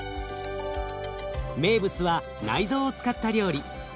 名物は内臓を使った料理。